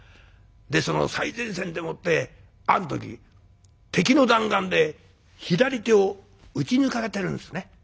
その最前線でもってある時敵の弾丸で左手を撃ち抜かれてるんですね。